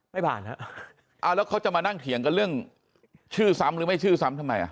ไม่ผ่านฮะเอาแล้วเขาจะมานั่งเถียงกันเรื่องชื่อซ้ำหรือไม่ชื่อซ้ำทำไมอ่ะ